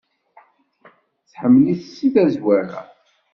Tḥemmel-it seg tazwara.